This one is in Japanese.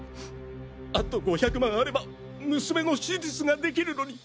あと５００万あれば娘の手術ができるのに。